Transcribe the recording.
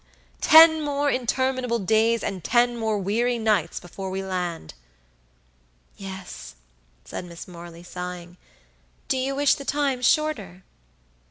Ten more interminable days and ten more weary nights before we land." "Yes," said Miss Morley, sighing. "Do you wish the time shorter?"